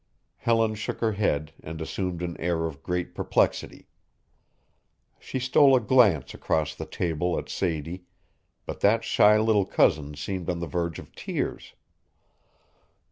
Helen shook her head and assumed an air of great perplexity. She stole a glance across the table at Sadie, but that shy little cousin seemed on the verge of tears.